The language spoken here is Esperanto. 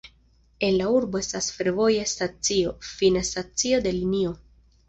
En la urbo estas fervoja stacio, fina stacio de linio.